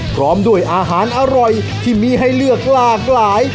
พร้อมด้วยอาหารอร่อยที่มีให้เลือกหลากหลาย